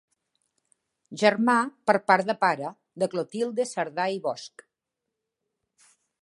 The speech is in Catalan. Germà per part de pare de Clotilde Cerdà i Bosch.